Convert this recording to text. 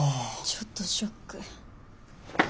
ちょっとショック。